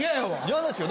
嫌ですよ。